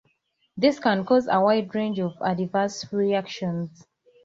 This can cause a wide range of adverse reactions.